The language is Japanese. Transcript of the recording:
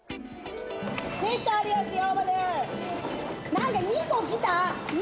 何か２個来た！